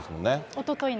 おとといの。